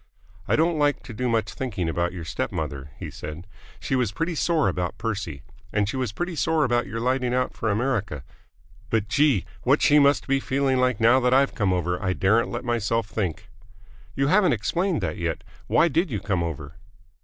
"I don't like to do much thinking about your step mother," he said. "She was pretty sore about Percy. And she was pretty sore about your lighting out for America. But, gee! what she must be feeling like now that I've come over, I daren't let myself think." "You haven't explained that yet. Why did you come over?"